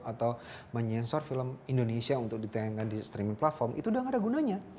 atau menyensor film indonesia untuk ditayangkan di streaming platform itu udah gak ada gunanya